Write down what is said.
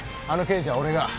あの刑事は俺が。